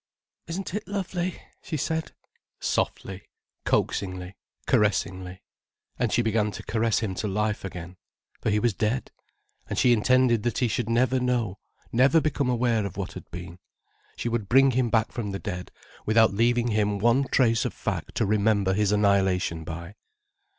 "Isn't it lovely?" she said, softly, coaxingly, caressingly. And she began to caress him to life again. For he was dead. And she intended that he should never know, never become aware of what had been. She would bring him back from the dead without leaving him one trace of fact to remember his annihilation by.